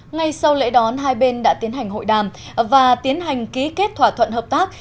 ngay sau lễ đón hai bên đã tiến hành hội đàm và tiến hành ký kết thỏa thuận hợp tác